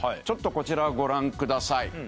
ちょっとこちらをご覧ください。